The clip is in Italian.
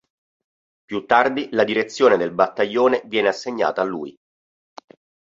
Più tardi, la direzione del battaglione viene assegnata a lui.